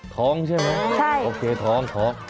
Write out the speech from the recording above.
ท้องใช่ไหมโอเคท้องท้อง